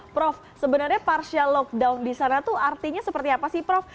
prof sebenarnya partial lockdown di sana itu artinya seperti apa sih prof